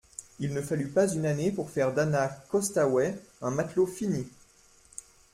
Il ne fallut pas une année pour faire d'Anna Costaouët un matelot fini.